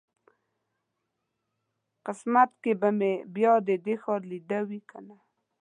قسمت کې به مې بیا د دې ښار لیدل وي کنه.